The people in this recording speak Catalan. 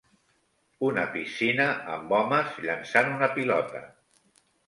Una piscina amb homes llançant una pilota.